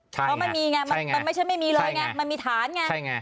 เพราะมันมีไงมันไม่ใช่ไม่มีเลยไงมันมีฐานไง